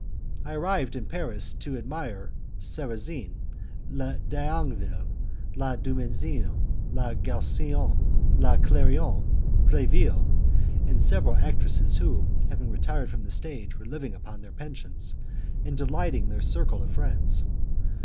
I arrived in Paris to admire Sarrazin, La Dangeville, La Dumesnil, La Gaussin, La Clairon, Preville, and several actresses who, having retired from the stage, were living upon their pension, and delighting their circle of friends.